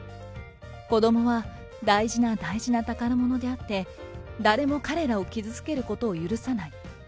子どもは大事な大事な宝物であって、誰も彼らを傷つけることを許さない。